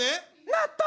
納豆！